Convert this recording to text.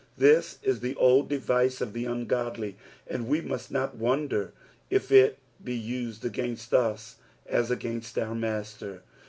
This is the old device of the ungodly, and 'we must not wonder if it be used agHinst us as against our Hastcr.